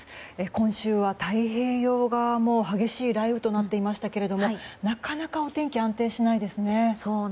今週は太平洋側も激しい雷雨となっていましたけどなかなかお天気安定しないですね。